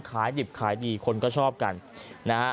ขายดิบขายดีคนก็ชอบกันนะฮะ